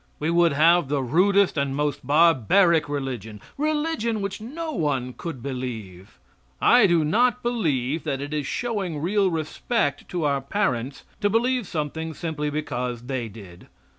We would have the rudest and most barbaric religion religion which no one could believe. I do not believe that it is showing real respect to our parents to believe something simply because they did.